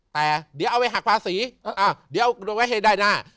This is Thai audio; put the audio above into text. แต่เดี๋ยวเอาไปหักภาษีเดี๋ยวเอาไว้ให้ได้หน้า